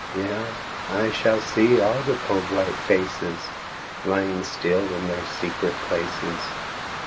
Yea! I shall see all the cold white faces Lying so still in their secret places.